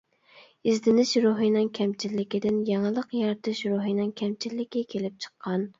ئىزدىنىش روھىنىڭ كەمچىللىكىدىن يېڭىلىق يارىتىش روھىنىڭ كەمچىللىكى كېلىپ چىققان.